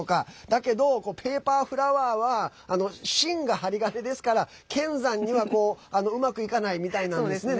だけどペーパーフラワーは芯が針金ですから剣山にはうまくいかないみたいなんですね。